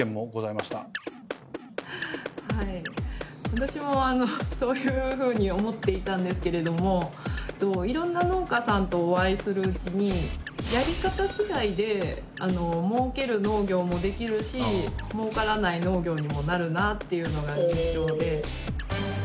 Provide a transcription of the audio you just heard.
私もあのそういうふうに思っていたんですけれどもいろんな農家さんとお会いするうちにやり方次第で儲ける農業もできるし儲からない農業にもなるなっていうのが印象で。